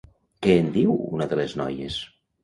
Què en diu una de les noies?